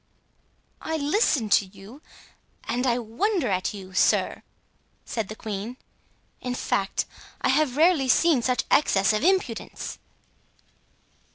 "I listen to you, and I wonder at you, sir," said the queen. "In fact, I have rarely seen such excess of impudence."